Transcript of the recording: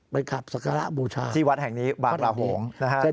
ไปขับสการะบูชาที่วัดแห่งนี้บางละหงค์นะครับ